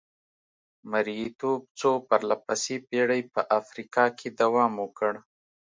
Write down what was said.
مریتوب څو پرله پسې پېړۍ په افریقا کې دوام وکړ.